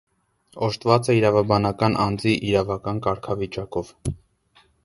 Օժտված է իրավաբանական անձի իրավական կարգավիճակով։